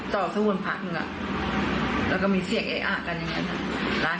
ต่อสู้มันพักแล้วก็มีเสียงอาหารกัน